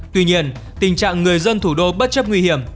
tuy nhiên tình trạng người dân thủ đô bất chấp nguy hiểm